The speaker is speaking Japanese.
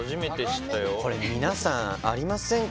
これ皆さんありませんか？